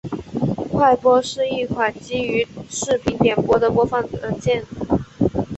快播是一款基于视频点播的播放软件。